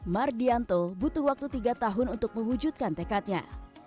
mardianto butuh waktu tiga tahun untuk mewujudkan tekadnya